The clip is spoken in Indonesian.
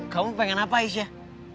kamu pengen apa aisyah